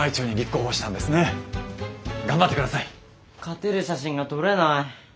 勝てる写真が撮れない。